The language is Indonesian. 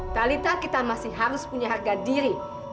talita kita masih harus punya harga diri